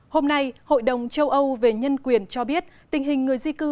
hôm nay hội đồng châu âu về nhân quyền cho biết tình hình người di cư